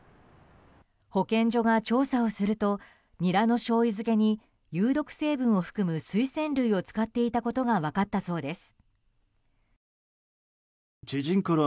保健所が調査をするとニラのしょうゆ漬けに有毒成分を含むスイセン類を使っていたことが分かったそうです。